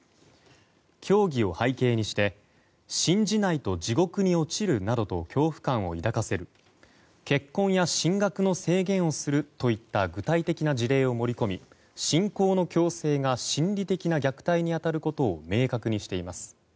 教義を背景にして信じないと地獄に落ちるなどと恐怖感を抱かせる結婚や進学の制限をするといった具体的な事例を盛り込み信仰の強制が心理的な虐待に当たることを明確にしています。